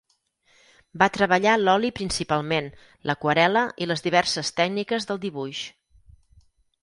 Va treballar l'oli principalment, l'aquarel·la i les diverses tècniques del dibuix.